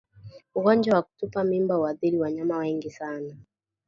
Ugonjwa wa kutupa mimba huathiri wanyama wengi sana